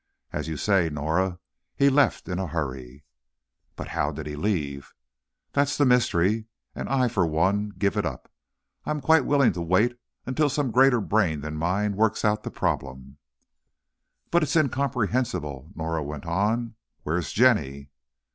As you say, Norah, he left in a hurry." "But how did he leave?" "That's the mystery; and I, for one, give it up. I'm quite willing to wait until some greater brain than mine works out the problem." "But it's incomprehensible," Norah went on; "where's Jenny?"